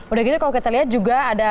udah gitu kalau kita lihat juga ada